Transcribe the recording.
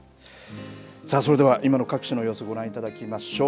さあ、それでは今の各地の様子、ご覧いただきましょう。